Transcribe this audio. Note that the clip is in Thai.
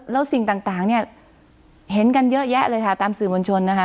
แล้วสิ่งต่างเนี่ยเห็นกันเยอะแยะเลยค่ะตามสื่อมวลชนนะคะ